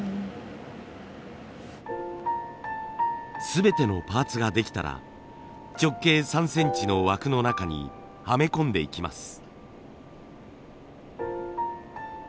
全てのパーツができたら直径３センチの枠の中にはめ込んでいきます。